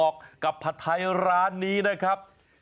กับผัดไทยร้านนี้นะครับ